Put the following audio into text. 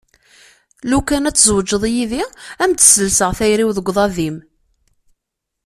Lukan ad tzewǧeḍ yid-i ad am-sselseɣ tayri-w deg uḍad-im.